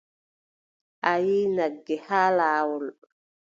A yiʼi nagge haa laawol.